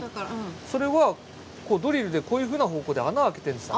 それはドリルでこういうふうな方向で穴開けてるんです